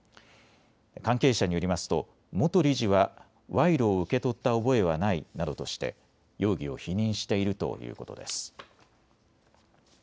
関係者によりますと元理事は賄賂を受け取った覚えはないなどとして容疑を否認しているということです。